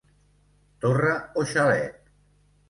Torre o xalet.